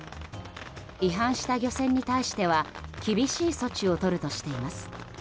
違反した漁船に対しては厳しい措置をとるとしています。